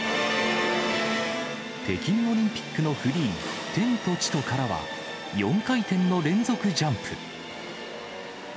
北京オリンピックのフリー、天と地とからは、４回転の連続ジャンプ。